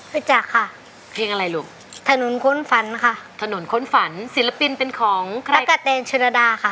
จักค่ะเพลงอะไรลูกถนนค้นฝันค่ะถนนค้นฝันศิลปินเป็นของพระกะแนนชรดาค่ะ